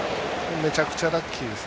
めちゃくちゃラッキーです。